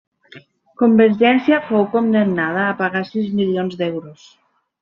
Convergència fou condemnada a pagar sis milions d'euros.